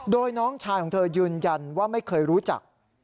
โดยน้องชายของเธอยืนยันว่าไม่เคยรู้จัก